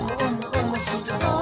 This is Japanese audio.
おもしろそう！」